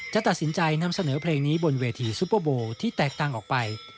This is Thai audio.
จะตัดสินใจนำเสนอเพลงนี้บนเวทีซุปเปอร์โบที่แตกต่างออกไป